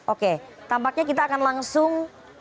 oke tampaknya kita akan langsung